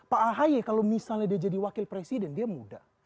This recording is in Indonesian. pak ahy kalau misalnya dia jadi wakil presiden dia muda